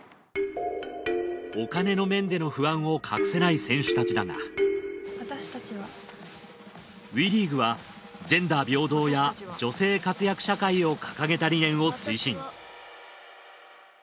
お金の面での不安を隠せない選手たちだがＷＥリーグはジェンダー平等や女性活躍社会を掲げた理念を推進